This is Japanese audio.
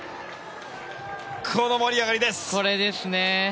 この盛り上がりです。